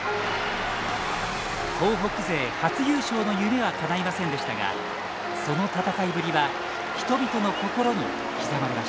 東北勢初優勝の夢はかないませんでしたがその戦いぶりは人々の心に刻まれました。